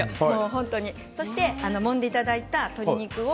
もんでいただいた鶏肉を？